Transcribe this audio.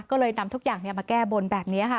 ก็เลยนำทุกอย่างมาแก้บนแบบนี้ค่ะ